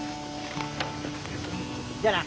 じゃあな。